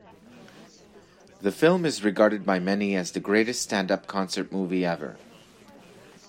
The film is regarded by many as the greatest stand-up concert movie ever.